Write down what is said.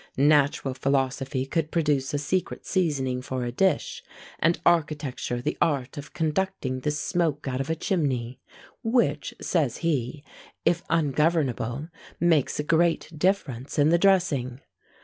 Natural philosophy could produce a secret seasoning for a dish; and architecture the art of conducting the smoke out of a chimney: which, says he, if ungovernable, makes a great difference in the dressing.